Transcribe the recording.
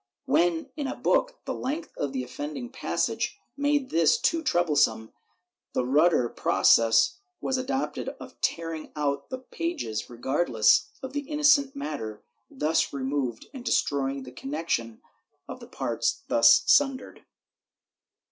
When, in a book, the length of the offending passage made this too trouble some, the ruder process was adopted of tearing out the pages, regardless of the innocent matter thus removed and destroying the connection of the parts thus sundered.'